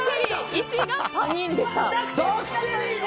１位がパニーニでした。